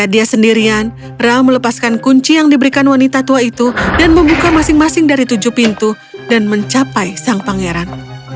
dia sendirian ra melepaskan kunci yang diberikan wanita tua itu dan membuka masing masing dari tujuh pintu dan mencapai sang pangeran